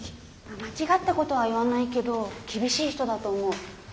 間違ったことは言わないけど厳しい人だと思う。